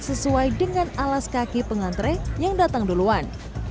sesuai dengan alas kaki pengantre yang datang duluan